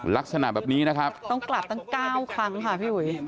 ลักษณะแบบนี้นะครับต้องกลับตั้ง๙ครั้งค่ะพี่อุ๋ย